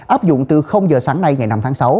áp dụng từ giờ sáng nay ngày năm tháng sáu